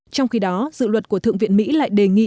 trong khi đó dự luật của thượng viện mỹ lại đề nghị